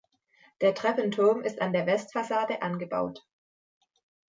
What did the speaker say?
Der Treppenturm ist an der Westfassade angebaut.